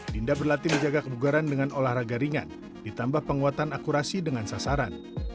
dinda berlatih menjaga kebugaran dengan olahraga ringan ditambah penguatan akurasi dengan sasaran